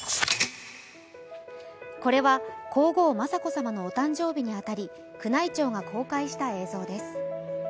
これは皇后・雅子さまのお誕生日に当たり、宮内庁が公開した映像です。